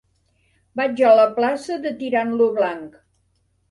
Vaig a la plaça de Tirant lo Blanc.